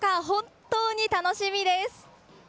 本当に楽しみです。